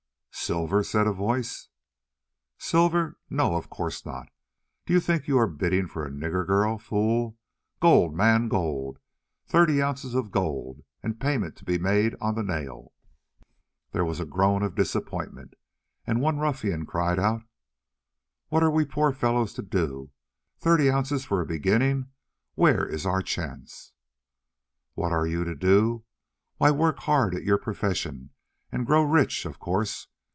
"Silver?" said a voice. "Silver? No, of course not. Do you think you are bidding for a nigger girl, fool? Gold, man, gold! Thirty ounces of gold, and payment to be made on the nail." There was a groan of disappointment, and one ruffian cried out: "What are we poor fellows to do? Thirty ounces for a beginning! Where is our chance?" "What are you to do? Why, work hard at your profession, and grow rich, of course!